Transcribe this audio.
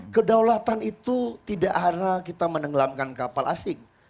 kedaulatan itu tidak karena kita menenggelamkan kapal asing